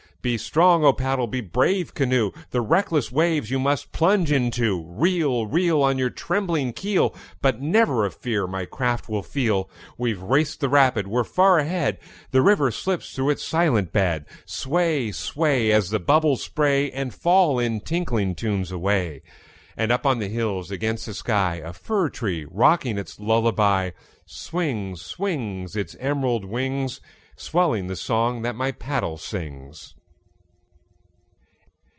Be strong, O paddle! be brave, canoe! The reckless waves you must plunge into. Reel, reel. On your trembling keel, But never a fear my craft will feel. We've raced the rapid, we're far ahead! The river slips through its silent bed. Sway, sway, As the bubbles spray And fall in tinkling tunes away. And up on the hills against the sky, A fir tree rocking its lullaby, Swings, swings, Its emerald wings, Swelling the song that my paddle sings.